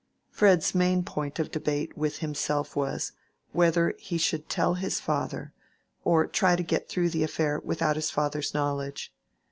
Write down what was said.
Fred's main point of debate with himself was, whether he should tell his father, or try to get through the affair without his father's knowledge.